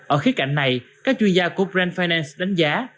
ở khía cạnh này các chuyên gia của brand finance đánh giá